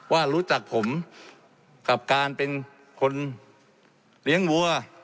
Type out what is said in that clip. ว่ารู้จักผมกับการเป็นคนเลี้ยงวัว